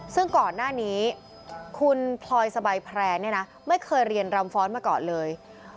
ตั้งก่อนหน้านี้คุณพลอยสบายแพรนไม่เคยเรียนรำฟ้อนท์มาก่อนเลย